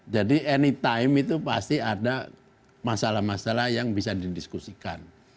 jadi anytime itu pasti ada masalah masalah yang bisa didiskusikan